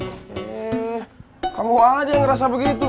eh kamu aja yang ngerasa begitu